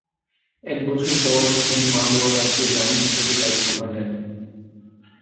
এক বছর পর তিনি মালওয়া রাজ্যের রানী হিসাবে দায়িত্বভার নেন।